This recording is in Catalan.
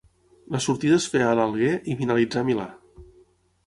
La sortida es feia a l'Alguer i finalitzà a Milà.